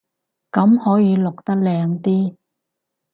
咁可以落得靚啲